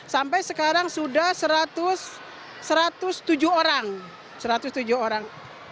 sampai sekarang sudah satu ratus tujuh orang